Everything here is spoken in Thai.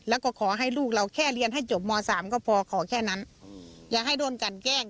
แล้วก็ขอให้ลูกเราแค่เรียนให้จบม๓ก็พอขอแค่นั้นอย่าให้โดนกันแกล้ง